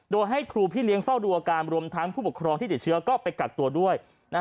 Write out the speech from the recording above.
โดยให้ครูพี่เลี้ยงเฝ้าดูอาการรวมทั้งผู้ปกครองที่ติดเชื้อก็ไปกักตัวด้วย